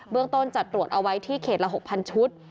เรื่องต้นจัดตรวจเอาไว้ที่เขตละ๖๐๐ชุด